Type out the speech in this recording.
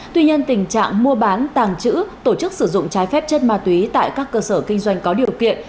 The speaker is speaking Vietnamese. tuy nhiên tình trạng mua bán tàng trữ tổ chức sử dụng trái phép chất ma túy tại các cơ sở kinh doanh có điều kiện